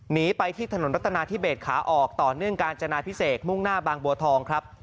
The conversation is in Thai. หนีไปที่ถนนรัตนาธิเบสขาออกต่อเนื่องกาญจนาพิเศษมุ่งหน้าบางบัวทองครับ